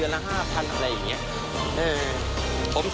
มันก็ยังอยากถามว่าทำไมต้องเป็นลูกของด้วย